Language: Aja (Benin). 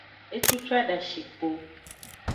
Ecucu adashi go.